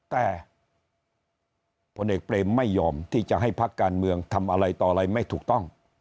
แต่พลเอกเปรมไม่ยอมที่จะให้พักการเมืองทำอะไรต่ออะไรไม่ถูกต้อง